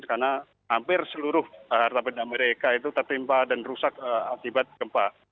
karena hampir seluruh harta benda mereka itu tertimpa dan rusak akibat gempa